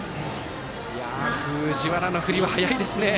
藤原の振りは速いですね。